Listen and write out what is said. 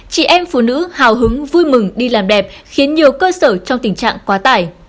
chị em phụ nữ hào hứng vui mừng đi làm đẹp khiến nhiều cơ sở trong tình trạng quá tải